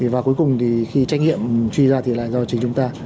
và cuối cùng thì khi trách nhiệm truy ra thì là do chính chúng ta